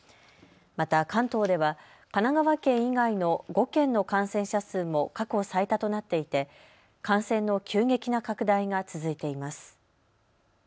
また関東では神奈川県以外の５県の感染者数も過去最多となっていて感染の急激な拡大が続いています。